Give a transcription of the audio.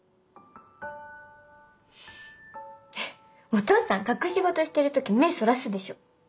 お父さん隠し事してる時目そらすでしょ。